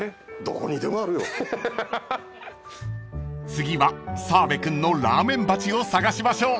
［次は澤部君のラーメン鉢を探しましょう］